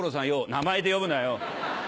「名前で呼ぶなよ！